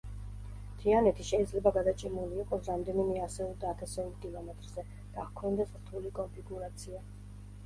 მთიანეთი შეიძლება გადაჭიმული იყოს რამდენიმე ასეულ და ათასეულ კილომეტრზე და ჰქონდეს რთული კონფიგურაცია.